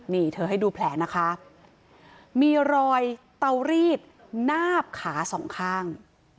นี่เธอให้ดูแผลนะคะมีรอยเตารีดนาบขาสองข้าง